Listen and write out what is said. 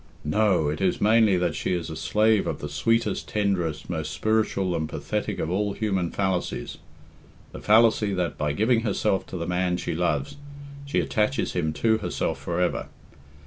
No. It is mainly that she is a slave of the sweetest, tenderest, most spiritual and pathetic of all human fallacies the fallacy that by giving herself to the man she loves she attaches him to herself for ever.